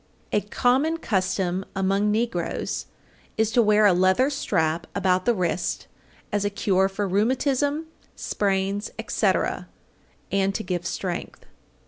A common custom among negroes is to wear a leather strap about the wrist as a cure for rheumatism, sprains, etc., and to give strength.